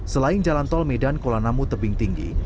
selain jalan tol medan kuala namu tebing tinggi